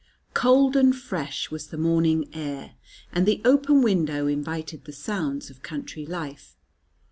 Cold and fresh was the morning air, and the open window invited the sounds of country life.